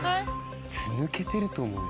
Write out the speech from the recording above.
ずぬけてると思う。